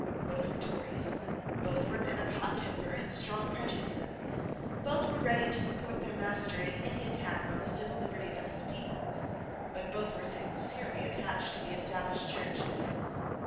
Both were Tories: both were men of hot temper and strong prejudices; both were ready to support their master in any attack on the civil liberties of his people; but both were sincerely attached to the Established Church.